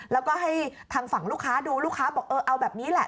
แล้วก็ให้ทางฝั่งลูกค้าดูลูกค้าบอกเออเอาแบบนี้แหละ